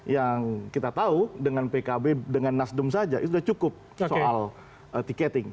yang kita tahu dengan pkb dengan nasdem saja itu sudah cukup soal tiketing